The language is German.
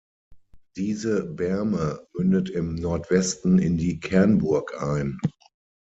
Diese Berme mündet im Nordwesten in die Kernburg ein.